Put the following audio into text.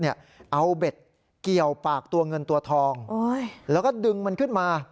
เอาเบ็ดเกี่ยวปากตัวเงินตัวทองแล้วก็ดึงมันขึ้นมา